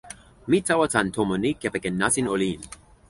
mi tawa tan tomo ni kepeken nasin olin.